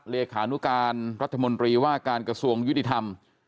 เลขานุการรัฐมนตรีว่าการกระทรวงยุติธรรม